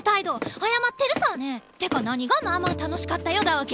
謝ってるさね！ってか何が「まあまあ楽しかったよ」だわけ？